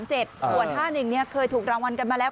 ส่วน๕๑เคยถูกรางวัลกันมาแล้ว